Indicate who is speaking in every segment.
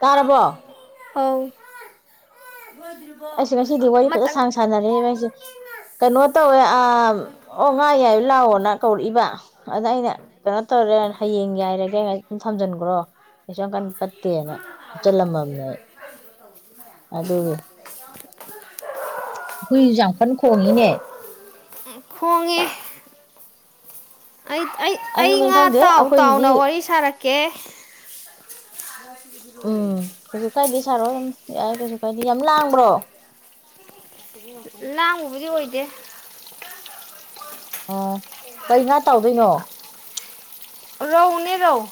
Speaker 1: ꯇꯥꯔꯔꯕ
Speaker 2: ꯑꯧ
Speaker 1: ꯑꯩꯁꯨ ꯉꯁꯤꯗꯤ ꯋꯥꯔꯤ ꯐꯖ
Speaker 2: ꯑꯃꯇꯪ
Speaker 1: ꯁꯥꯡ ꯁꯥꯟꯅꯔꯦ ꯉꯁꯦ ꯀꯩꯅꯣ ꯇꯧꯋꯦ ꯑꯣ ꯉꯥ ꯌꯥꯏ ꯂꯥꯛꯑꯣꯅ ꯀꯧꯔꯛꯏꯕ ꯑꯗ ꯑꯩꯅ ꯀꯩꯅꯣ ꯇꯧꯔꯦ ꯍꯌꯦꯡ ꯌꯥꯏꯔꯒꯦ ꯑꯗꯨꯝ ꯊꯝꯖꯤꯟꯈ꯭ꯔꯣ ꯑꯩꯁꯨ ꯀꯟ ꯐꯠꯇꯦꯅ ꯍꯥꯞꯆꯜꯂꯝꯃꯕꯅꯦ ꯑꯩ
Speaker 2: ꯑ
Speaker 1: ꯑꯗꯨ ꯍꯨꯏꯁꯁꯨ ꯌꯝ ꯀꯟ ꯈꯣꯡꯉꯤꯅꯦ
Speaker 2: ꯈꯣꯡꯉꯦ ꯑꯩ ꯑꯩ ꯑꯩ
Speaker 1: ꯑꯗꯨꯅꯦ
Speaker 2: ꯉꯥ
Speaker 1: ꯈꯪꯗꯦ
Speaker 2: ꯇꯥꯎ ꯇꯥꯎꯅ
Speaker 1: ꯑꯩꯈꯣꯏꯒꯤꯗꯤ
Speaker 2: ꯋꯥꯔꯤ ꯁꯥꯔꯛꯀꯦ
Speaker 1: ꯎꯝ ꯀꯩꯁꯨ ꯀꯥꯏꯗꯦ ꯁꯥꯔꯣꯏ ꯌꯥꯏ ꯀꯩꯁꯨ ꯀꯥꯏꯗꯦ ꯌꯥꯝ ꯂꯥꯡꯕ꯭ꯔꯣ
Speaker 2: ꯂꯥꯡꯕꯕꯨꯗꯤ ꯑꯣꯏꯗꯦ
Speaker 1: ꯑꯣ ꯀꯩꯩꯅ ꯉꯥ ꯇꯧꯗꯣꯏꯅꯣ
Speaker 2: ꯔꯧꯅꯦ ꯔꯧ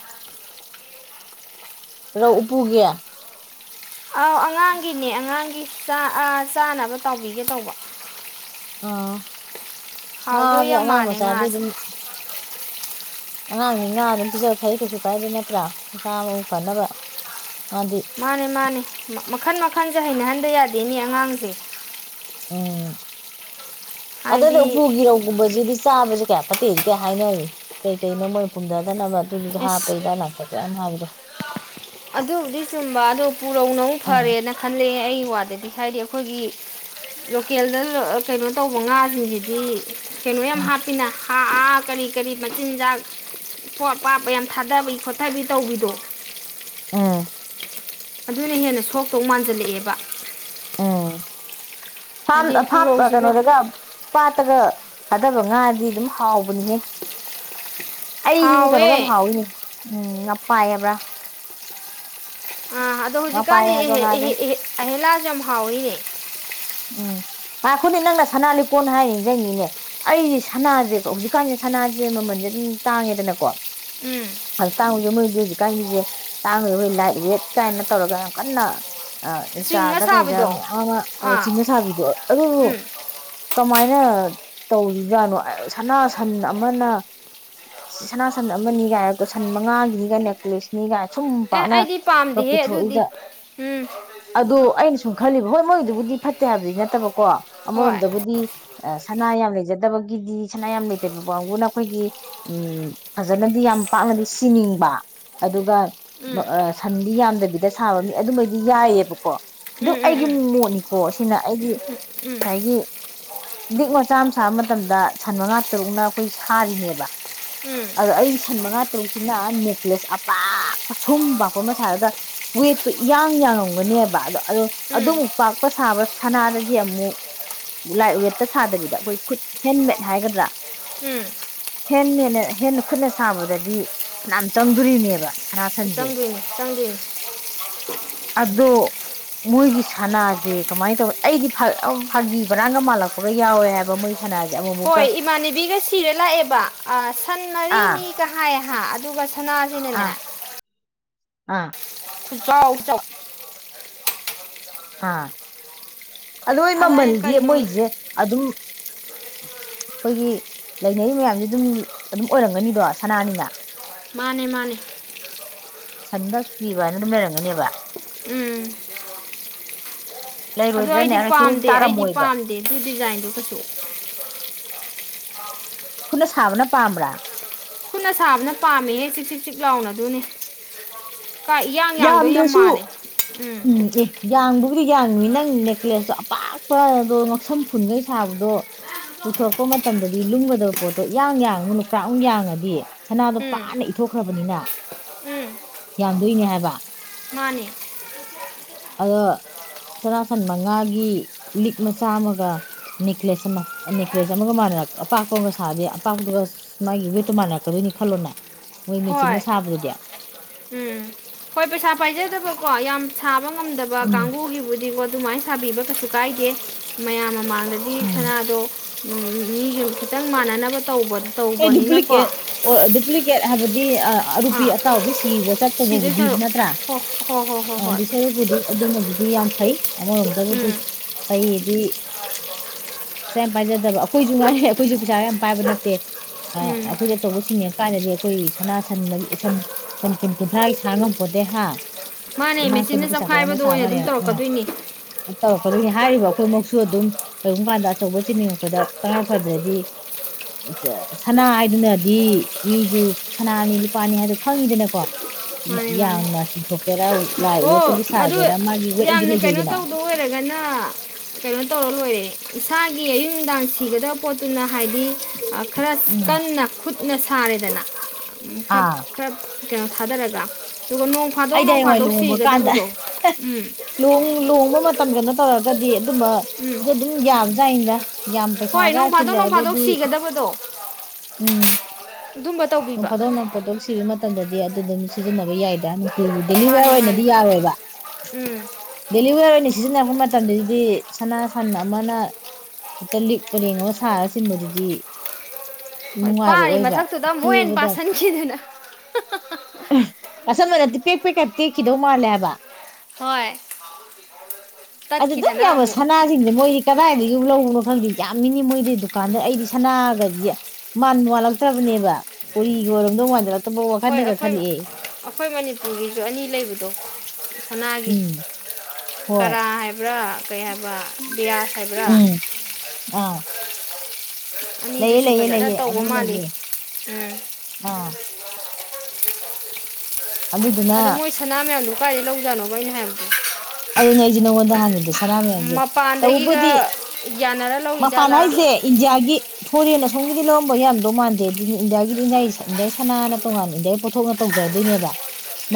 Speaker 1: ꯔꯧ ꯎꯄꯨꯒꯤ
Speaker 2: ꯑꯧ ꯑꯉꯥꯡꯒꯤꯅꯦ ꯑꯉꯥꯡꯒꯤꯥ ꯆꯥꯅꯕ ꯇꯥꯎꯕꯤꯒꯦ ꯇꯧꯕ
Speaker 1: ꯑꯥ
Speaker 2: ꯍꯥꯎꯗꯣꯏ
Speaker 1: ꯉꯥ
Speaker 2: ꯌꯥꯝ
Speaker 1: ꯑꯉꯥꯡ
Speaker 2: ꯃꯥꯜꯂꯦ
Speaker 1: ꯃꯆꯥꯗꯤ
Speaker 2: ꯉꯥꯁꯦ
Speaker 1: ꯑꯗꯨꯝ ꯑꯉꯥꯡꯅꯤ ꯉꯥ ꯑꯗꯨꯝ ꯄꯤꯖꯕ ꯐꯩ ꯀꯩꯁꯨ ꯀꯥꯏꯗꯦ ꯅꯠꯇ꯭ꯔꯥ ꯃꯁꯥ ꯃꯎ ꯐꯅꯕ ꯃꯥꯗꯤ
Speaker 2: ꯃꯥꯅꯤ ꯃꯥꯅꯤ ꯃꯈꯟ ꯃꯈꯜ ꯁꯤꯁꯦ ꯍꯩꯅꯍꯟꯗ ꯌꯥꯗꯦꯅꯦ ꯑꯉꯥꯡꯁꯦ
Speaker 1: ꯑꯣ ꯑꯗꯗ
Speaker 2: ꯍꯥꯏꯗꯤ
Speaker 1: ꯎꯄꯨꯒꯤ ꯔꯧꯒꯨꯝꯕꯖꯤꯗꯤ ꯆꯥꯕꯁꯦ ꯀꯌꯥ ꯐꯠꯇꯦꯗꯤ ꯀꯌꯥ ꯍꯥꯏꯅꯩ ꯀꯩ ꯀꯩꯅꯣ ꯃꯣꯏ ꯄꯨꯝꯊꯗꯅꯕ ꯑꯗꯨꯗꯝ
Speaker 2: ꯑꯁ
Speaker 1: ꯍꯥꯞꯄꯩꯗꯥꯏ ꯂꯥꯛꯇ [unintelligible]
Speaker 2: ꯑꯗꯨꯕꯨꯗꯤ ꯆꯨꯝꯕ ꯑꯗꯨ ꯄꯨꯔꯧꯅ
Speaker 1: ꯎꯝ
Speaker 2: ꯐꯔꯦꯅ ꯈꯜꯂꯦ ꯑꯩ ꯋꯥꯗꯗꯤ ꯍꯥꯏꯗꯤ ꯑꯩꯈꯣꯏꯒꯤ ꯂꯣꯀꯦꯜꯗ ꯀꯩꯅꯣ ꯇꯧꯕ ꯉꯥꯁꯤꯡꯁꯤꯗꯤ ꯀꯩꯅꯣ ꯌꯥꯝ
Speaker 1: ꯎꯝ
Speaker 2: ꯍꯥꯞꯄꯤꯅ ꯑꯥ ꯑꯥ ꯀꯔꯤ ꯀꯔꯤ ꯃꯆꯤꯟꯖꯥꯛ ꯄꯣꯠ ꯑ ꯄꯄ ꯌꯥꯝ ꯊꯥꯗꯕꯤ ꯈꯣꯠꯊꯕꯤ ꯇꯧꯕꯤꯗꯣ
Speaker 1: ꯑꯝ
Speaker 2: ꯑꯗꯨꯅ ꯍꯦꯟꯅ ꯁꯣꯛꯇꯣꯛ ꯃꯥꯟꯁꯤꯜꯂꯛꯑꯦꯕ
Speaker 1: ꯑꯥ ꯐꯥꯝ ꯀꯩꯅꯣ
Speaker 2: ꯎꯄꯨꯔꯧꯁꯤꯅ
Speaker 1: ꯗꯒꯥ ꯄꯥꯠꯇꯒ ꯐꯥꯗꯕ ꯉꯥꯗꯤ ꯑꯗꯨꯝ ꯍꯥꯎꯕꯅꯤꯍꯦ ꯑꯩꯗꯤꯅꯦ ꯀꯩꯅꯣꯒ ꯌꯥꯝ
Speaker 2: ꯍꯥꯎꯋꯦ
Speaker 1: ꯍꯥꯎꯏꯤꯅꯦ ꯎꯝ ꯉꯥꯄꯥꯏ ꯍꯥꯏꯕ꯭ꯔꯥ
Speaker 2: ꯑ ꯑꯗꯨꯗꯣ
Speaker 1: ꯉꯄꯥꯏ
Speaker 2: ꯍꯧꯖꯤꯛꯀꯥꯅꯤ
Speaker 1: ꯍꯥꯏꯕ ꯉꯥꯗꯣ
Speaker 2: ꯑꯦꯍꯂꯥ ꯍꯥꯎꯋꯦꯅꯦ
Speaker 1: ꯎꯝ ꯉꯥꯏꯈꯣꯅꯦ ꯅꯪꯅ ꯁꯅꯥ ꯂꯩꯛꯀꯣꯟ ꯍꯥꯏ ꯅꯤꯡꯁꯤꯡꯉꯤꯅꯦ ꯑꯩꯁꯦ ꯁꯅꯥꯁꯦ ꯍꯧꯖꯤꯛꯀꯥꯟꯁꯦ ꯁꯅꯥꯁꯦ ꯃꯃꯜꯁꯦ ꯑꯗꯨꯝ ꯇꯥꯡꯉꯦꯗꯅꯀꯣ
Speaker 2: ꯎꯝ
Speaker 1: ꯑꯇꯥꯡꯕꯗꯣ ꯃꯣꯏ ꯍꯧ ꯍꯧꯖꯤꯛꯀꯥꯟꯒꯤꯁꯦ ꯇꯥꯡ [unintelligible] ꯂꯥꯏꯠ ꯋꯦꯠ ꯀꯥꯏꯅ ꯇꯧꯔꯒ ꯌꯥꯝ ꯀꯟꯅ
Speaker 2: ꯆꯤꯡꯉ
Speaker 1: ꯆꯥꯗ ꯀꯩꯗ
Speaker 2: ꯁꯥꯕꯤꯗꯣ
Speaker 1: ꯃꯌꯥꯝ ꯑꯃ
Speaker 2: ꯑꯥ
Speaker 1: ꯆꯤꯡꯅ ꯁꯥꯕꯤꯗꯣ ꯑꯗꯨꯕꯨ
Speaker 2: ꯎꯝ
Speaker 1: ꯀꯃꯥꯏꯅ ꯇꯧꯔꯤꯕꯖꯥꯠꯅꯣ ꯁꯅꯥ ꯁꯟ ꯑꯃꯅ ꯁꯅꯥꯁꯟ ꯑꯃꯅꯤꯒꯥꯏ ꯁꯟ ꯃꯉꯥꯒꯤꯅꯤꯒ ꯅꯦꯛꯀ꯭ꯂꯦꯁꯅꯤꯒꯥꯏ ꯁꯨꯝ
Speaker 2: ꯑꯦ ꯑꯩꯗꯤ
Speaker 1: ꯄꯥꯛꯅꯒ
Speaker 2: ꯄꯥꯝꯗꯦꯍꯦ ꯑꯗꯨꯗꯤ
Speaker 1: ꯄꯨꯊꯣꯛꯏꯗ
Speaker 2: ꯎꯝ
Speaker 1: ꯑꯗꯨ ꯑꯩꯅ ꯁꯨꯝ ꯈꯜꯂꯤꯕ ꯍꯣꯏ ꯕꯨꯗꯤ ꯐꯠꯇꯦ ꯍꯥꯏꯕꯗꯤ ꯅꯠꯇꯕ ꯀꯣ
Speaker 2: ꯍꯣꯏ
Speaker 1: ꯑꯃꯔꯣꯝꯗꯕꯨꯗꯤ ꯁꯅꯥ ꯌꯥꯝ ꯂꯩꯖꯗꯕꯒꯤꯗꯤ ꯁꯅꯥ ꯌꯥꯝ ꯂꯩꯇꯕ ꯀꯥꯡꯕꯨꯅ ꯑꯩꯈꯣꯏꯒꯤ ꯎꯝ ꯐꯖꯅꯗꯤ ꯌꯥꯝ ꯄꯥꯛꯅꯗꯤ ꯁꯤꯅꯤꯡꯕ ꯑꯗꯨꯒ
Speaker 2: ꯎꯝ
Speaker 1: ꯁꯟꯗꯤ ꯌꯥꯝꯗꯕꯤꯗ ꯁꯥꯕ ꯃꯤ ꯑꯗꯨꯃꯩꯗꯤ ꯌꯥꯏꯑꯕꯀꯣ ꯑꯗꯨ ꯑꯩꯒꯤ ꯃꯣꯠꯅꯤ ꯀꯣ ꯁꯤꯅ ꯑꯩꯗꯤ ꯉꯁꯥꯏꯒꯤ ꯂꯤꯛ ꯃꯆꯥ ꯑꯃ ꯁꯥꯕ ꯃꯇꯝꯗ ꯁꯟ ꯃꯉꯥ ꯇꯔꯨꯛꯅ ꯑꯩꯈꯣꯏ ꯁꯥꯔꯤꯅꯦꯕ ꯑꯗꯣ ꯑꯩ ꯁꯟ ꯃꯉꯥ ꯇꯔꯨꯛꯁꯤꯅ ꯅꯦꯛꯀ꯭ꯂꯦꯁ ꯑꯄꯥꯛ ꯑꯁꯨꯝ ꯄꯥꯛꯄ ꯑꯃ ꯁꯥꯔꯒ ꯋꯦꯠꯇꯣ ꯏꯌꯥꯡ ꯌꯥꯡꯉꯝꯒꯅꯦꯕ ꯑꯗꯣ ꯑꯗꯣ ꯑꯗꯨꯃꯨꯛ ꯄꯥꯛ ꯀꯄ ꯁꯥꯕ ꯁꯅꯥꯗꯗꯤ ꯑꯃꯨꯛ ꯂꯥꯏꯠ ꯋꯦꯠꯇ ꯁꯥꯗꯕꯤꯗ ꯑꯩꯈꯣꯏ ꯈꯨꯠ ꯍꯦꯟꯃꯦꯗ ꯍꯥꯏꯒꯗ꯭ꯔꯥ ꯍꯦꯟꯃꯦꯠꯅ ꯍꯦꯟꯅ ꯈꯨꯠꯅ ꯁꯥꯕꯗꯗꯤ ꯐ ꯆꯪꯗꯣꯔꯤꯅꯦꯕ ꯁꯅꯥ ꯁꯟꯁꯦ
Speaker 2: ꯆꯪꯗꯣꯏꯅꯦ ꯆꯪꯗꯣꯏꯅꯦ
Speaker 1: ꯑꯗꯣ ꯃꯣꯏꯒꯤ ꯁꯅꯥꯁ ꯁꯦ ꯀꯃꯥꯏꯅ ꯇꯧꯋꯤ ꯑꯩꯗꯤ ꯐꯥꯒꯤ ꯕꯔꯥꯟꯒ ꯃꯥꯜꯂꯛꯄꯒ ꯌꯥꯎꯋꯦ ꯍꯥꯏꯕ ꯃꯣꯏꯁꯦ
Speaker 2: ꯍꯣꯏ ꯏꯃꯥꯟꯅꯕꯤꯒ ꯁꯤꯔ ꯂꯥꯛꯑꯦꯕ ꯑꯁ ꯁꯟꯅꯔꯤ
Speaker 1: ꯑꯥ
Speaker 2: ꯃꯤ ꯀ ꯍꯥꯏꯥꯏꯍ ꯑꯗꯨꯒ ꯁꯅꯥꯁꯤꯅꯅꯦ
Speaker 1: ꯑꯥ ꯑꯥ
Speaker 2: ꯈꯨꯆꯥꯑꯣꯎ ꯆꯥꯎ
Speaker 1: ꯑꯥ ꯑꯣꯏ
Speaker 2: ꯑꯗ ꯑꯩꯅ
Speaker 1: ꯃꯃꯜꯗꯤ
Speaker 2: ꯀꯩꯅꯣ
Speaker 1: ꯃꯣꯏꯁꯦ ꯑꯗꯨꯝ ꯑꯩꯈꯣꯏꯒꯤ ꯂꯩꯅꯔꯤ ꯃꯌꯥꯝꯁꯦ ꯑꯗꯨꯝ ꯑꯗꯨꯝ ꯑꯣꯏꯔꯝꯒꯅꯤꯗꯣ ꯁꯅꯥꯅꯤꯅ
Speaker 2: ꯃꯥꯅꯦ ꯃꯥꯅꯦ
Speaker 1: ꯁꯟꯗꯁꯨꯨ ꯄꯕꯅ ꯑꯗꯨꯝ ꯂꯩꯔꯝꯒꯅꯦꯕ
Speaker 2: ꯎꯝ ꯑꯗ
Speaker 1: ꯂꯩꯔꯣꯏꯗ꯭ꯔꯅꯦ
Speaker 2: ꯑꯩꯗꯤ
Speaker 1: ꯀꯩꯁꯨ
Speaker 2: ꯄꯥꯝꯗꯦ ꯑꯩꯗꯤ
Speaker 1: ꯇꯥꯔꯝꯃꯣꯏꯕ
Speaker 2: ꯄꯥꯝꯗꯦ ꯑꯗꯨ ꯗꯤꯖꯥꯏꯟꯗꯨꯣ ꯈꯠꯇꯣꯛ
Speaker 1: ꯑꯩꯈꯣꯏꯅ ꯁꯥꯕꯅ ꯄꯥꯝꯕ꯭ꯔꯥ
Speaker 2: ꯈꯨꯠꯅ ꯁꯥꯕꯅ ꯄꯥꯝꯃꯦꯍꯦ ꯆꯤꯛ ꯆꯛ ꯆꯤꯛ ꯂꯥꯎꯅꯗꯨꯅꯦ
Speaker 1: ꯌꯥꯝꯗ꯭ꯔꯁꯨ ꯎꯝ ꯑꯦ ꯌꯥꯝꯕ ꯎꯗ ꯌꯥꯡꯉꯤꯅꯤ ꯅꯪ ꯅꯦꯛꯀ꯭ꯂꯦꯁꯇꯣ ꯑꯄꯥꯛꯄꯗꯣ ꯉꯎꯁꯝ ꯐꯨꯟꯈꯩ ꯁꯥꯕꯗꯣ ꯄꯨꯊꯣꯔꯛꯄ ꯃꯇꯝꯗꯗꯤ ꯂꯨꯝꯒꯗꯕ ꯄꯣꯠꯇꯣ ꯏꯡ ꯌꯥꯡꯕꯨꯅꯨ ꯀ꯭ꯔꯥꯃꯨꯛ ꯌꯥꯡꯉꯗꯤ ꯁꯅꯥꯗꯣ
Speaker 2: ꯎꯝ
Speaker 1: ꯄꯥꯅ ꯏꯊꯣꯛꯈ꯭ꯔꯕꯅꯤꯅ ꯌꯥꯝꯗꯣꯏꯅꯦ ꯍꯥꯏꯕ ꯋꯥ
Speaker 2: ꯃꯥꯅꯤ
Speaker 1: ꯑꯗꯣ ꯁꯅꯥ ꯁꯟ ꯃꯉꯥꯒꯤ ꯂꯤꯛ ꯃꯆꯥ ꯑꯃꯒ ꯅꯦꯛꯀ꯭ꯂꯦꯁ ꯑꯃ ꯅꯦꯛꯀ꯭ꯂꯦꯁ ꯑꯃꯒ ꯃꯅꯔꯛ ꯑꯄꯥꯛꯄ ꯑꯃꯒ ꯁꯥꯗꯦ ꯑꯄꯥꯛꯄꯗꯨꯒ ꯃꯥꯒꯤ ꯋꯦꯠꯇꯣ ꯃꯥꯟꯅꯔꯛꯀꯗꯣꯏꯅꯤ ꯈꯜꯂꯣꯅꯦ ꯃꯣꯏ
Speaker 2: ꯍꯣꯏ
Speaker 1: ꯃꯦꯆꯤꯟꯅ ꯁꯥꯕꯗꯨꯗꯤ
Speaker 2: ꯎꯝ ꯍꯣꯏ ꯄꯩꯁꯥ ꯄꯥꯏꯖꯗꯕꯀꯣ ꯌꯥꯝ ꯁꯥꯞ ꯆꯕ ꯉꯝꯗꯕ
Speaker 1: ꯎꯝ
Speaker 2: ꯀꯥꯡꯕꯨꯒꯤꯕꯨꯗꯤꯀꯣ ꯑꯗꯨꯃꯥꯏꯅ ꯁꯥꯕꯤꯕ ꯀꯩꯁꯨ ꯀꯥꯏꯗꯦ ꯃꯌꯥꯝ ꯑꯃ ꯗꯤ
Speaker 1: ꯎꯝ
Speaker 2: ꯁꯅꯥꯗꯣ ꯃꯤꯁꯨ ꯈꯤꯇꯪ ꯃꯥꯟꯅꯅꯕ ꯇꯧꯕꯗꯣ
Speaker 1: ꯍ ꯗꯨꯨꯞꯂꯤꯀꯦꯠ ꯑꯣ ꯗꯨꯞꯂꯤꯀꯦꯠ ꯍꯥꯏꯕꯗꯤ ꯑ ꯑꯔꯨꯄꯤ
Speaker 2: ꯑꯥ
Speaker 1: ꯑꯇꯥꯎꯕꯤ ꯁꯤꯕ
Speaker 2: ꯁꯤꯗꯣꯏ
Speaker 1: ꯆꯠꯇꯧꯕꯕꯨꯗꯤ
Speaker 2: ꯁꯔꯨꯛ
Speaker 1: ꯅꯠꯇ꯭ꯔꯥ
Speaker 2: ꯍꯣ ꯍꯣ ꯍꯣ ꯍꯣ
Speaker 1: ꯑꯗꯤ
Speaker 2: ꯍꯣꯏ
Speaker 1: ꯁꯔꯨꯛꯄꯨꯗꯤ ꯑꯗꯨꯃꯕꯨ ꯌꯥꯝ ꯐꯩ ꯑꯃꯔꯝꯗꯕꯨꯗꯤ
Speaker 2: ꯎꯝ
Speaker 1: ꯀꯩ ꯗꯤ ꯄꯩꯁꯥ ꯌꯥꯝ ꯄꯥꯏꯖꯗꯕ ꯑꯩꯈꯣꯏꯁꯨ ꯉꯔꯦ ꯑꯩꯈꯣꯏꯁꯨ ꯄꯩꯁꯥ ꯌꯥꯝ ꯄꯥꯏꯕ ꯅꯠꯇꯦ ꯑ
Speaker 2: ꯎꯝ
Speaker 1: ꯑꯩꯈꯣꯏꯁ ꯑꯆꯧꯕꯁꯤꯡꯅꯤꯉ ꯀꯥꯟꯗꯗꯤ ꯑꯩꯈꯣꯏ ꯁꯅꯥ ꯁꯟ ꯁꯟ ꯁꯟ ꯀꯨꯟ ꯀꯨꯟꯊ꯭ꯔꯥꯒꯤ ꯁꯥꯡ ꯉꯝꯄꯣꯗꯦ ꯍꯥ
Speaker 2: ꯃꯥꯅꯦ
Speaker 1: ꯏꯅꯥꯛꯇꯅ
Speaker 2: ꯃꯦꯆꯤꯟꯅ
Speaker 1: ꯄꯩꯁꯥ ꯄꯥꯏꯔ
Speaker 2: ꯆꯞꯈꯥꯏꯕꯗꯣ ꯑꯣꯏꯅ ꯑꯗꯨꯝ ꯇꯧꯔꯛꯀꯗꯣꯏꯅꯤ
Speaker 1: ꯇꯧꯔꯛꯀꯅꯤ ꯍꯥꯏꯔꯤꯕ ꯑꯩꯈꯣꯏꯃꯛꯁꯨ ꯑꯗꯨꯝ ꯀꯔꯤꯒꯨꯝꯕ ꯀꯥꯟꯗ ꯑꯆꯧꯕ ꯆꯤꯅꯤꯡꯉꯛꯄꯗ ꯇꯉꯥꯏ ꯐꯗ꯭ꯔꯗꯤ ꯁꯅꯥ ꯍꯥꯏꯗꯨꯅꯗꯤ ꯃꯤꯁꯨ ꯁꯅꯥꯅꯤ ꯂꯨꯄꯥꯅꯤ ꯍꯥꯏꯗꯣ ꯈꯪꯉꯤꯗꯅꯀꯣ
Speaker 2: ꯃꯥꯅꯦ ꯃꯥꯅꯦ
Speaker 1: ꯌꯥꯝꯅ ꯆꯤꯡꯊꯣꯛꯀꯦꯔꯥ ꯂꯥꯏꯋꯦ
Speaker 2: ꯑꯣ ꯑꯗꯨ ꯌꯥꯝꯅ ꯀꯩꯅꯣ ꯇꯧꯗ ꯑꯣꯏꯔꯒꯅ ꯀꯩꯅꯣ ꯇꯧꯔ ꯂꯣꯏꯔꯦ ꯏꯁꯥꯒꯤ ꯑꯌꯨ ꯅꯨꯡꯗꯥꯡ ꯁꯤꯒꯗꯕ ꯄꯣꯠꯇꯨꯅ ꯍꯥꯏꯗꯤ ꯈꯔ
Speaker 1: ꯎꯝ
Speaker 2: ꯀꯟꯅ ꯈꯨꯠꯅ ꯁꯥꯔꯦꯗꯅ ꯈꯔ
Speaker 1: ꯑꯥ
Speaker 2: ꯈꯔ ꯀꯩꯅꯣ ꯊꯥꯗꯔꯒ ꯑꯗꯨꯒ ꯅꯣꯡ ꯐꯥꯗꯣꯛ ꯅꯣꯡ ꯐꯥꯗꯣꯛ ꯁꯤꯒꯗꯕꯗꯣ ꯎꯝ
Speaker 1: ꯅꫭꯡ ꯅꫭꯡ ꯍꯣꯡꯕ ꯃꯇꯝ ꯀꯩꯅꯣ ꯇꯧꯔꯒꯗꯤ ꯑꯗꯨꯝꯕ
Speaker 2: ꯎꯝ
Speaker 1: ꯑꯗꯨ ꯑꯗꯨꯝ ꯌꯥꯝ ꯗ
Speaker 2: ꯍꯣꯏ ꯅꯣꯡꯃꯥꯗꯣꯛ ꯅꯣꯡꯐꯥꯗꯧ ꯁꯤꯒꯗꯕꯗꯣ
Speaker 1: ꯎꯝ
Speaker 2: ꯑꯗꯨꯝꯕ
Speaker 1: ꯅꯣꯡ
Speaker 2: ꯇꯧꯕꯤꯕ
Speaker 1: ꯐꯥꯗꯣꯛꯅ ꯄꯣꯠꯇꯣꯛ ꯁꯤꯕꯩ ꯃꯇꯝꯗꯗꯤ ꯗꯤ ꯑꯗꯨ ꯑꯗꯨꯝ ꯁꯤꯖꯤꯟꯅꯕ ꯌꯥꯏꯗ ꯗꯦꯂꯤꯚꯔ
Speaker 2: ꯃꯥꯅꯦ
Speaker 1: ꯑꯣꯏꯅꯗꯤ
Speaker 2: ꯃꯥꯅꯦ
Speaker 1: ꯌꯥꯔꯣꯏꯕ
Speaker 2: ꯎꯝ
Speaker 1: ꯗꯦꯂꯤꯚ ꯁꯤꯖꯤꯟꯅꯔꯄ ꯃꯇꯝꯗꯗꯤ ꯁꯅꯥ ꯁꯟ ꯑꯃꯅ ꯍꯦꯛꯇ ꯂꯤꯛꯄ ꯂꯦꯡꯉꯒ ꯁꯥꯔ ꯆꯤꯟꯕꯗꯨꯗꯤ
Speaker 2: ꯍꯣꯏ ꯄꯥꯔꯤ
Speaker 1: ꯅꯨꯡꯉꯥꯏꯔꯛꯑꯣꯏꯕ
Speaker 2: ꯃꯊꯛꯇꯨꯗ ꯇꯃꯛ ꯍꯦꯟ
Speaker 1: ꯀꯦꯕꯗ
Speaker 2: ꯄꯥꯁꯟꯈꯤꯗꯅ
Speaker 1: ꯑꯁ ꯃꯅꯗꯤ ꯄꯦꯛ ꯄꯦꯛꯀ ꯇꯦꯛꯈꯤꯗꯧ ꯃꯥꯜꯂꯦ ꯍꯥꯏꯕ
Speaker 2: ꯍꯣꯏ
Speaker 1: ꯑꯗꯨ ꯑꯗꯨꯝ
Speaker 2: ꯇꯠꯈꯤꯗꯅ
Speaker 1: ꯌꯥꯝꯕ
Speaker 2: ꯑꯃꯨꯛ
Speaker 1: ꯁꯅꯥꯁꯤꯡꯗ ꯃꯣꯏꯗꯤ ꯀꯗꯥꯏꯗꯒꯤ ꯂꯧꯕꯅꯣ ꯈꯪꯗꯦ ꯌꯥꯝꯃꯤꯅꯤ ꯃꯣꯏꯗꯤ ꯗꯨꯀꯥꯟꯗ ꯑꯩꯗꯤ ꯁꯅꯥꯒꯗꯤ ꯃꯥꯟ ꯃꯥꯜꯂꯛꯇ꯭ꯔꯕꯅꯦꯕ ꯎꯣꯔꯤꯒꯤ ꯑꯣꯏꯔꯣꯝꯗꯧ ꯃꯥꯟꯊꯂ
Speaker 2: ꯍꯣꯏ ꯑꯩꯈꯣꯏ
Speaker 1: [unintelligible]
Speaker 2: ꯑꯩꯈꯣꯏ ꯃꯅꯤꯄꯨꯔꯒꯤꯁꯨ ꯑꯅꯤ ꯂꯩꯕꯗꯣ ꯍꯅꯥꯒꯤ
Speaker 1: ꯎꯝ ꯍꯣꯏ
Speaker 2: ꯀꯔꯥ ꯍꯥꯏꯕ꯭ꯔꯥ ꯀꯩ ꯍꯥꯏꯕ ꯕꯤꯌꯥꯁ ꯍꯥꯏꯕ꯭ꯔꯥ
Speaker 1: ꯎꯝ ꯑꯥ [inaudible] ꯂꯩꯌꯦ
Speaker 2: ꯑꯅꯤꯗꯨꯁꯨ
Speaker 1: ꯂꯩꯌꯦ
Speaker 2: ꯐꯖꯅ
Speaker 1: ꯂꯩꯌꯦ ꯑꯗꯨ
Speaker 2: ꯇꯧꯕ ꯃꯥꯜꯂꯤ
Speaker 1: ꯂꯩꯌꯦ
Speaker 2: ꯎꯝ
Speaker 1: ꯑꯥ ꯑꯗꯨꯗꯨꯅ
Speaker 2: ꯑꯗꯣ ꯃꯣꯏ ꯁꯅꯥꯝ ꯃꯌꯥꯝꯗ ꯎꯐꯥꯏ ꯂꯧꯖꯅꯣ ꯏꯅ ꯍꯥꯏꯣ
Speaker 1: ꯑꯗꯨ ꯅꯩꯖ ꯅꯣꯗ ꯍꯪꯒꯗꯦ
Speaker 2: ꯃꯄꯥꯟꯗꯒꯤꯒ ꯌꯥꯅꯔ
Speaker 1: ꯃꯄꯥꯟ
Speaker 2: ꯂꯧꯔꯤꯖꯥꯠꯂꯥ
Speaker 1: ꯍꯥꯏꯁꯦ ꯏꯟꯗꯤꯌꯥꯒꯤ ꯐꯣꯔꯦꯟ ꯑꯁꯣꯝꯒꯤꯗꯤ ꯂꯧꯔꯝꯕ ꯌꯥꯝꯗꯧ ꯃꯥꯟꯗꯦ ꯑꯗꯨꯅꯤ ꯏꯟꯗꯤꯌꯥꯒꯤꯗꯤ ꯏꯗꯤꯌꯥ ꯏꯟꯗꯤꯌꯥꯒꯤ ꯁꯅꯥꯅ ꯇꯣꯉꯥꯟꯅ ꯏꯟꯗꯤꯌꯥꯒꯤ ꯄꯣꯠꯊꯣꯛꯅ ꯇꯧꯖꯔꯗꯣꯏꯅꯦꯕ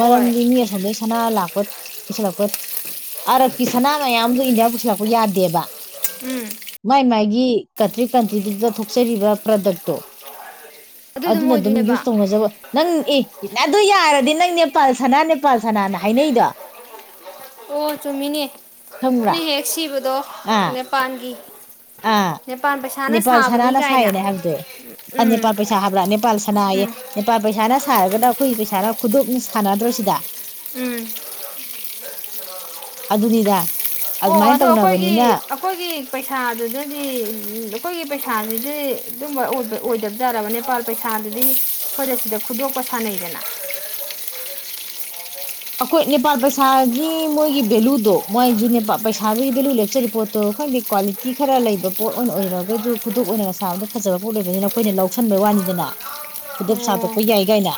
Speaker 2: ꯍꯣꯏ
Speaker 1: ꯃꯤ ꯑꯁꯣꯝꯗꯒꯤꯩ ꯁꯅꯥ ꯂꯥꯛꯄ ꯄꯨꯜꯂꯛꯄ ꯑꯞꯀꯤ ꯁꯅꯥ ꯃꯌꯥꯝꯗꯨꯣ ꯏꯟꯗꯤꯌꯥ ꯄꯨꯁꯤꯜꯂꯛꯄ ꯌꯥꯗꯦꯕ
Speaker 2: ꯎꯝ
Speaker 1: ꯃꯥꯥꯏ ꯃꯥꯥꯏꯒꯤ ꯀꯟꯇ꯭ꯔꯤ ꯀꯟꯇ꯭ꯔꯤꯗꯨꯗ ꯊꯣꯛꯆꯔꯤꯕ ꯄ꯭ꯔꯗꯛꯇꯣ
Speaker 2: ꯑꯗꯨꯗꯣ
Speaker 1: ꯑꯗꯨꯅ ꯑꯗꯨꯝ ꯌꯨꯁ
Speaker 2: ꯑꯣꯏꯗꯣꯏꯅꯦꯕ
Speaker 1: ꯇꯧꯅꯖꯕ ꯅꯪ ꯑꯦ ꯅ ꯑꯗꯨ ꯌꯥꯔꯗꯤ ꯅꯪ ꯅꯦꯄꯥꯜ ꯁꯥꯅꯥ ꯅꯦꯄꯥꯜ ꯁꯅꯥꯅ ꯍꯥꯏꯅꯩꯗꯣ
Speaker 2: ꯑꯣ ꯆꯨꯝꯃꯤꯅꯦ
Speaker 1: ꯈꯪꯕ꯭ꯔꯥ
Speaker 2: ꯈꫭꯏꯅ ꯍꯦꯛ ꯁꯤꯕꯗꯣ
Speaker 1: ꯑꯥ
Speaker 2: ꯅꯦꯄꯥꯥꯟꯒꯤ
Speaker 1: ꯑꯥ ꯅꯦꯄꯥꯜ ꯁꯅꯥꯅ
Speaker 2: ꯀꯥꯏꯅ
Speaker 1: ꯁꯥꯏꯅꯦ ꯍꯥꯏꯕꯗꯣ ꯑ
Speaker 2: ꯎꯝ
Speaker 1: ꯅꯦꯄꯥꯜ ꯄꯩꯁꯥ ꯍꯥꯏꯕ꯭ꯔꯥ ꯅꯅꯤꯄꯥꯜ ꯁꯅꯥꯌꯦ ꯅꯦꯄꯥꯜ ꯄꯩꯁꯥꯅ ꯁꯥꯔꯒꯅ ꯑꯩꯈꯣꯏ ꯄꯩꯁꯥꯅ ꯈꯨꯗꯣꯞꯅ ꯁꯥꯟꯅꯗ꯭ꯔꯣꯁꯤꯗ
Speaker 2: ꯎꯝ
Speaker 1: ꯑꯗꯨꯅꯤꯗ
Speaker 2: ꯑꯣ
Speaker 1: ꯑꯗꯨꯃꯥꯏꯅ
Speaker 2: ꯑꯗꯣ ꯑꯩꯈꯣꯏꯒꯤ
Speaker 1: ꯇꯧꯅꯕꯅꯤꯅ
Speaker 2: ꯑꯩꯈꯣꯏꯒꯤ ꯄꯩꯁꯥꯗꯨꯗ ꯍꯥꯗꯤ ꯑꯩꯈꯣꯏꯒꯤ ꯄꯩꯁꯥꯁꯤꯗꯤ ꯑꯗꯨꯝꯕ ꯑꯣꯏꯕ ꯑꫭꯗꯕꯖꯥꯔꯕ ꯅꯦꯄꯥꯜ ꯄꯩꯁꯥꯗꯨꯗꯤ ꯑꯩꯈꯣꯏꯗ ꯁꯤꯗ ꯈꯨꯗꯣꯛꯄꯀ ꯁꯥꯅꯩꯗꯅ
Speaker 1: ꯑꯩꯈꯣꯏ ꯅꯦꯄꯥꯜ ꯄꯩꯁꯥꯒꯤ ꯃꯣꯏꯒꯤ ꯚꯦꯂꯨꯗꯣ ꯃꯥꯏꯖꯨ ꯅꯦꯄꯥꯜ ꯄꯩꯁꯥꯗꯨꯒꯤ ꯚꯦꯂꯨ ꯂꯦꯞꯆꯔꯤꯕ ꯄꯣꯠꯇꯣ ꯈꯪꯗꯦ ꯀ꯭ꯋꯥꯂꯤꯇꯤ ꯈꯔ ꯂꯩꯕ ꯄꯣꯠ ꯑꯣꯏꯅ ꯑꯣꯏꯔꯒꯁꯨ ꯈꯨꯗꯣꯞ ꯑꯣꯏꯅꯒ ꯁꯥꯕꯗ ꯐꯖꯕ ꯄꯣꯠ ꯑꫭꯏꯕꯅꯤꯅ ꯑꯩꯈꯣꯏꯅ ꯂꯧꯁꯟꯕꯩ ꯋꯥꯅꯤꯗꯅ ꯈꯨꯗꯞ ꯁꯥꯗꯣꯛꯄ
Speaker 2: ꯑꯣ
Speaker 1: ꯌꯥꯏ ꯀꯥꯏꯅ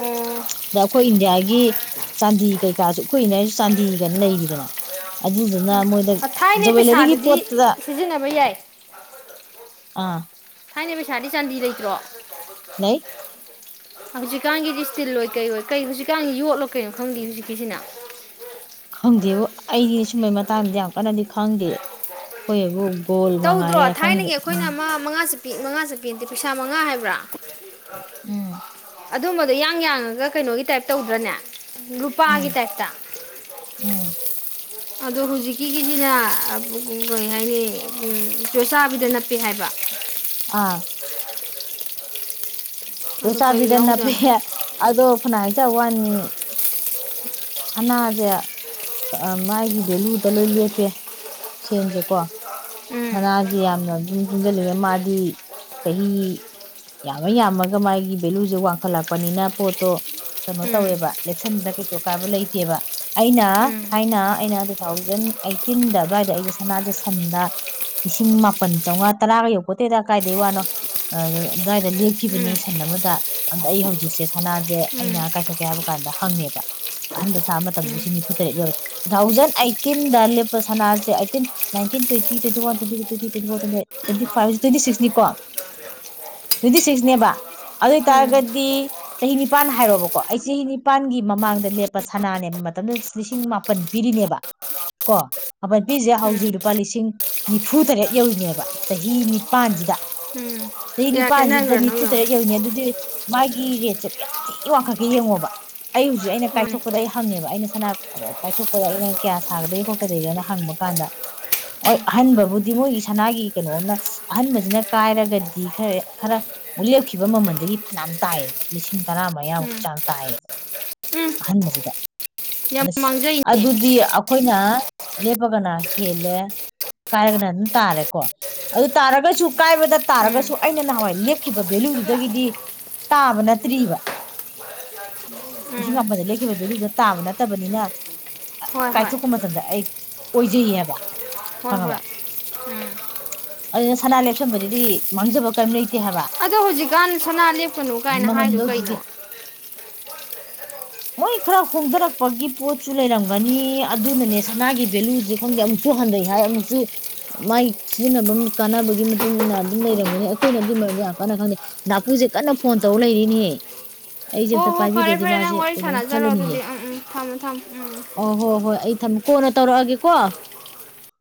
Speaker 2: ꯑꯣ
Speaker 1: ꯑꯗ ꯑꯩꯈꯣꯏ ꯏꯟꯗꯤꯌꯥꯒꯤ ꯆꯥꯟꯗꯤ ꯀꯩꯀꯥꯁꯨ ꯑꯈꫭꯏ ꯏꯟꯗꯤꯌꯥꯏꯁꯨ ꯆꯥꯟꯗꯤ ꯀꯥꯏꯅ ꯂꯩꯔꯤꯗꯅ ꯑꯗꯨꯗꯨꯅ ꯃꯣꯏꯗ
Speaker 2: ꯊꯥꯏꯅꯩ
Speaker 1: ꯖꯨꯋꯦꯂꯔꯤꯒꯤ
Speaker 2: ꯄꯩꯁꯥꯗꯨꯗꯤ
Speaker 1: ꯄꯣꯠꯇꯨꯗ
Speaker 2: ꯁꯤꯖꯤꯟꯅꯕ ꯌꯥꯏ
Speaker 1: ꯑꯥ
Speaker 2: ꯊꯥꯏꯅ ꯄꯩꯁꯥꯗꯤ ꯆꯥꯟꯗꯤ ꯂꯩꯇ꯭ꯔꯣ
Speaker 1: ꯏꯍ
Speaker 2: ꯍꯧꯖꯤꯛꯀꯥꯟꯒꯤꯗꯤ ꯁꯇꯤꯜ ꯑꯣꯏ ꯀꯩ ꯑꯣꯏ ꯀꯩ ꯍꯧꯖꯤꯛꯀꯥꯟꯒꯤ ꯌꯣꯠꯂꯣ ꯀꯩꯅꯣ ꯈꯪꯗꯦ ꯍꯧꯖꯤꯛꯀꯤꯁꯤꯅ
Speaker 1: ꯈꯪꯗꯦꯕꯨ ꯑꯩꯗꯤ ꯁꯨꯝꯕꯩ ꯃꯇꯥꯡꯗꯤ ꯌꯥꯝ ꯀꯟꯅꯗꯤ ꯈꯪꯗꯦ ꯈꫭꯏꯑꯕꯨ
Speaker 2: ꯇꯧꯗ꯭ꯔꯣ ꯊꯥꯏꯅꯒꯤ ꯑꯩꯈꯣꯏꯅ ꯑꯃ ꯃꯉꯥ ꯆ ꯄꯤ ꯃꯉꯥ ꯆꯄꯤ ꯅꯠꯇꯦ ꯄꯩꯁꯥ ꯃꯉꯥ ꯍꯥꯏꯕ꯭ꯔꯥ
Speaker 1: ꯎꯝ
Speaker 2: ꯑꯗꯨꯝꯕꯗꯣ ꯏꯌꯥꯡ ꯌꯥꯡꯉꯒ ꯀꯩꯅꯣꯒꯤ ꯇꯥꯏꯞ ꯇꯧꯗ꯭ꯔꯅꯦ
Speaker 1: ꯎꯝ
Speaker 2: ꯨꯂꯨꯄꯥꯒꯤ ꯇꯥꯏꯞꯇ
Speaker 1: ꯎꯝ
Speaker 2: ꯑꯗꯣ ꯍꯧꯖꯤꯛꯀꯤꯒꯤꯁꯤꯅ ꯑ ꯄꯨ ꯒꯨꯡ ꯀꯩ ꯍꯥꯏꯅꯤ ꯄꯨꯡ ꯆꯣꯠꯆꯥꯕꯤꯗ ꯅꯞꯄꯦ ꯍꯥꯏꯕ
Speaker 1: ꯑꯥ
Speaker 2: ꯑꯗꯣ ꯀꯔꯤ
Speaker 1: ꯌꫭꯠꯆꯥꯕꯤꯗ ꯅꯞꯄꯦ
Speaker 2: ꯌꯥꯎꯖꯥꯠꯅꯣ
Speaker 1: ꯑꯗꯣ ꯐꯅꯥ ꯍꯥꯏꯖ ꯋꯥꯅꯤ ꯁꯅꯥꯁꯦ ꯀ ꯃꯥꯥꯏꯒꯤ ꯚꯦꯂꯨꯗ ꯂꯣꯏ ꯂꯦꯞꯄꯦ ꯁꯦꯟꯁꯦꯀꯣ
Speaker 2: ꯎꯝ
Speaker 1: ꯁꯅꯥꯁꯦ ꯌꯥꯝꯅ ꯑꯗꯨꯝ ꯄꯨꯨꯡꯁꯤꯜꯂꯤꯉꯩ ꯃꯥꯗꯤ ꯆꯍꯤ ꯌꯥꯝꯃ ꯌꯥꯝꯃꯒ ꯃꯥꯒꯤ ꯚꯦꯂꯨꯁꯦ ꯋꯥꯡꯈꯠꯂꯛꯄꯅꯤꯅ ꯄꯣꯠꯇꯣ ꯀꯩꯅꯣ
Speaker 2: ꯎꯝ
Speaker 1: ꯇꯧꯋꯦꯕ ꯂꯦꯞꯁꯟꯕꯗ ꯀꯩꯁꯨ ꯑꯀꯥꯏꯕ ꯂꯩꯇꯦꯕ ꯑꯩꯅ
Speaker 2: ꯎꯝ
Speaker 1: ꯊꯥꯏꯅ ꯑꯩꯅ ꯇꯨ ꯊꯥꯎꯖꯟ ꯑꯩꯠꯇꯤꯟꯗ ꯑꯗꯨꯋꯥꯏꯗ ꯑꯩꯁꯦ ꯁꯅꯥꯁꯦ ꯁꯟꯗ ꯂꯤꯁꯤꯡ ꯃꯥꯄꯟ ꯆꯥꯝꯉꯥ ꯇꯔꯥꯒ ꯌꯧꯄꯠꯇꯦꯗ ꯀꯥꯏꯗꯩ ꯋꯥꯅꯣ ꯑꯗꯨꯋꯥꯏꯗ ꯂꯦꯞꯈꯤꯕꯅꯤ
Speaker 2: ꯎꯝ
Speaker 1: ꯁꯟ ꯑꯃꯗ ꯑꯗ ꯑꯩ ꯍꯧꯖꯤꯛꯁꯦ ꯁꯅꯥꯁꯦ ꯑꯩꯅ ꯀꯥꯏꯊꯣꯛꯀꯦ ꯍꯥꯏꯕ ꯀꯥꯟꯗ ꯍꯪꯉꯦꯕ ꯑꯍꯟꯕ ꯁꯥꯕ ꯃꯇꯝꯗ ꯂꯤꯁꯤꯡ ꯅꯤꯐꯨꯇꯔꯦꯠ ꯌꯧꯔꯦ ꯇꯨ ꯊꯥꯎꯖꯟ ꯑꯠꯇꯤꯟꯗ ꯂꯦꯞꯄ ꯁꯅꯥꯁꯦ eighteen nineteen twenty twenty one, twenty two, twenty three, twenty four, twenty five, ꯍꯧꯖꯤꯛ ꯇ꯭‌ꯋꯦꯟꯇꯤꯁꯤꯛꯁ ꯅꯤꯀꫭ ꯇ꯭ꯋꯦꯟꯇꯤꯁꯤꯛꯁꯅꯦꯕ ꯑꯗꯨ ꯑꯣꯏ
Speaker 2: ꯎꯝ ꯎꯝ
Speaker 1: ꯇꯥꯥꯔꯒꯗꯤ ꯆꯍꯤ ꯅꯤꯄꯥꯟ ꯍꯥꯏꯔꯣꯕꯀꯣ ꯑꯩ ꯆꯍꯤ ꯅꯤꯄꯥꯟꯒꯤ ꯃꯃꯥꯡꯗ ꯂꯦꯞꯄ ꯁꯅꯥꯅꯦꯕ ꯃꯇꯝꯗꯨꯗ ꯂꯤꯁꯤꯡ ꯃꯥꯄꯟ ꯄꯤꯔꯤꯅꯦꯕ ꯀꯣ ꯃꯥꯄꯟ ꯄꯤꯔꯤꯁꯦ
Speaker 2: ꯎꯝ
Speaker 1: ꯍꯧꯖꯤꯛ ꯂꯨꯄꯥ ꯂꯤꯁꯤꯡ ꯅꯤꯐꯨꯇꯔꯦꯠ ꯌꯧꯔꯤꯅꯦꯕ ꯆꯍꯤ ꯅꯤꯄꯟꯁꯤꯗ
Speaker 2: ꯎꯝ
Speaker 1: ꯆꯍꯤ
Speaker 2: ꯀꯌꯥ
Speaker 1: ꯅꯤꯄꯥꯟꯁꯤꯗ
Speaker 2: ꯈꯦꯠꯅꯈ꯭ꯔꯅꯣ ꯌꯦꯡꯉꯣ
Speaker 1: ꯅꯤꯐꯨꯇꯔꯦꯠ ꯌꯧꯔꯤꯅꯤ ꯑꯗꯨꯗꯤ ꯃꯥꯒꯤ ꯔꯦꯠꯁꯦ ꯀꯌꯥꯝ ꯊꯤ ꯋꯥꯡꯈꯠꯀꯦ ꯌꯦꯡꯉꯣꯕ ꯑꯩ ꯍꯧꯖꯤꯛ ꯑꯩꯅ
Speaker 2: ꯃꯥꯅꯦ
Speaker 1: ꯀꯥꯏꯊꯣꯛꯄꯗ ꯑꯩ ꯍꯪꯉꯦꯕ ꯑꯩꯅ ꯁꯅꯥ ꯑ ꯀꯥꯏꯊꯣꯛꯄꯗ ꯑꯩꯅ ꯀꯌꯥ ꯁꯥꯒꯗꯒꯦ ꯈꯣꯠꯀꯗꯒꯦꯅ ꯍꯪꯕ ꯀꯥꯟꯗ ꯑ ꯑꯍꯟꯕꯕꯨꯗꯤ ꯃꯣꯏꯒꯤ ꯁꯅꯥꯒꯤ ꯀꯩꯅꯣꯝꯅ ꯑꯍꯟꯕꯁꯤꯅ ꯀꯥꯏꯔꯒꯗꯤ ꯈꯔ ꯈꯔ ꯂꯦꯞꯈꯤꯕ ꯃꯃꯜꯗꯒꯤ ꯐꯅꯌꯥꯝ ꯇꯥꯏꯌꯦꯕ ꯂꯤꯁꯤꯡ ꯇꯔꯥ ꯃ ꯌꯥꯃꯨꯛꯀꯤ
Speaker 2: ꯎꯝ
Speaker 1: ꯆꯥꯡ ꯇꯥꯏꯌꯦꯕ
Speaker 2: ꯎꯝ
Speaker 1: ꯑꯍꯟꯕꯁꯤꯗ
Speaker 2: ꯌꯥꯝ
Speaker 1: ꯑꯁ
Speaker 2: ꯃꯥꯡꯖꯩꯅꯦ
Speaker 1: ꯑꯗꯨꯗꯤ ꯑꯩꯈꯣꯏꯅ ꯂꯦꯞꯄꯒꯅ ꯍꯦꯜꯂꯦ ꯀꯥꯏꯔꯒꯅ ꯑꯗꯨꯝ ꯇꯥꯔꯦꯀꯣ ꯑꯗꯨ ꯇꯥꯔꯒꯁꯨ ꯀꯥꯏꯕꯗ
Speaker 2: ꯎꯝ
Speaker 1: ꯇꯥꯔꯒꯁꯨ ꯑꯩꯅ ꯅꯍꯥꯟꯋꯥꯏ ꯂꯦꯞꯈꯤꯕ ꯚꯦꯂꯨꯗꯨꯗꯒꯤꯗꯤ ꯇꯥꯕ ꯅꯠꯇ꯭ꯔꯤꯕ ꯂꯤꯁꯤꯡ
Speaker 2: ꯎꯝ
Speaker 1: ꯃꯥꯄꯟꯗ ꯂꯦꯞꯈꯤꯕ ꯚꯦꯂꯨꯗꯨꯗ ꯇꯥꯕ ꯅꯠꯇꯕꯅꯤꯅ ꯀ
Speaker 2: ꯍꯣꯏ ꯍꯣꯏ
Speaker 1: ꯀꯥꯏꯊꯣꯛꯄ ꯃꯇꯝꯗ ꯑꯩ ꯑꯣꯏꯖꯩꯌꯦꯕ
Speaker 2: ꯍꯣꯏ
Speaker 1: ꯈꯪꯉꯕ
Speaker 2: ꯍꯣꯏ
Speaker 1: ꯑꯗꯨꯅ ꯁꯅꯥ ꯂꯦꯞꯁꯟꯕꯗꯨꯗꯤ ꯃꯥꯡꯖꯕ ꯀꯩꯝ ꯂꯩꯇꯦ ꯍꯥꯏꯕ
Speaker 2: ꯑꯗꯣ ꯍꯧꯖꯤꯛꯀꯥꯟ ꯁꯅꯥ ꯂꯦꯞꯀꯅꯨ ꯀꯥꯏꯅ
Speaker 1: ꯃꯃꯟꯗꯣ
Speaker 2: ꯍꯥꯏꯗꯨꯣ
Speaker 1: ꯍꯧꯖꯤꯛꯇꯤ
Speaker 2: ꯀꯩꯅꯣ
Speaker 1: ꯃꯣꯏ ꯈꯔ ꯍꯣꯡꯊꯔꯛꯄꯒꯤ ꯄꯣꯠꯁꯨ ꯂꯩꯔꯝꯒꯅꯤ ꯑꯗꯨꯅꯅꯦ ꯁꯅꯥꯒꯤ ꯚꯦꯂꯨꯁꯦ ꯈꯪꯗꯦ ꯑꯃꯨꯛꯁꯨ ꯍꯟꯊꯩ ꯍꯥꯏ ꯑꯃꯨꯛꯁꯨ ꯃꯥꯏ ꯁꯤꯖꯤꯟꯅꯕ ꯀꯥꯟꯅꯕꯒꯤ ꯃꯇꯨꯡ ꯃꯇꯨꯡꯏꯟꯅ ꯑꯗꯨꯝ ꯂꯩꯔꯝꯒꯅꯤ ꯑꯩꯈꯣꯏꯅ ꯑꯗꯨꯒꯤ ꯃꯔꯝꯗ ꯌꯥꯝ ꯀꯟꯅ ꯈꯪꯗꯦ ꯅꯥꯄꯨꯁꯦ ꯀꯟꯅ ꯐꯣꯟ ꯇꯧꯔ ꯂꯩꯔꯤꯅꯦꯍꯦ ꯑꯩꯁꯦ
Speaker 2: ꯍꯣ
Speaker 1: ꯑꯝꯇ
Speaker 2: ꯍꯣ ꯐꯔꯦ
Speaker 1: ꯄꯥꯏꯕꯤꯗꯗꯤ
Speaker 2: ꯐꯔꯦ
Speaker 1: ꯃꯥꯁꯦ
Speaker 2: ꯅꯪ ꯋꯥꯔꯤ
Speaker 1: ꯀꯩꯅꯣꯝ
Speaker 2: ꯁꯥꯟꯅꯖꯔꯣ
Speaker 1: ꯈꯜꯂꯅꯤꯑꯦ
Speaker 2: ꯑꯗꯨꯗꯤ ꯎꯝ ꯎꯝ ꯊꯝꯃꯣ ꯊꯝꯃꯣ ꯎꯝ
Speaker 1: ꯑꯣ ꯍꯣꯏ ꯍꯣꯏ ꯑꯩ ꯊꯝꯃ ꯀꯣꯟꯅ ꯇꯧꯔꯛꯑꯒꯦ ꯀꯣ